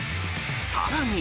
さらに。